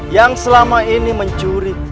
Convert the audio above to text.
yang selama ini mencuri